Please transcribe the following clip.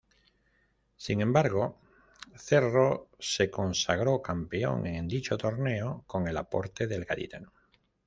Sin embargo, Cerro se consagró campeón en dicho torneo con el aporte del gaditano.